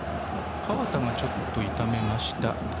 河田がちょっと痛めました。